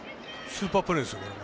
スーパープレーです。